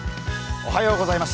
おはようございます。